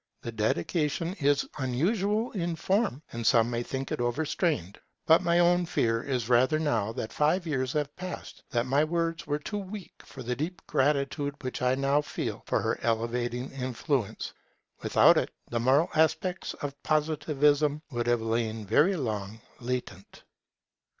The dedication is unusual in form, and some may think it overstrained. But my own fear is rather, now that five years have past, that my words were too weak for the deep gratitude which I now feel for her elevating influence. Without it the moral aspects of Positivism would have lain very long latent.